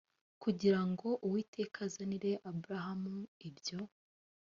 kugira ngo uwiteka azanire aburahamu ibyo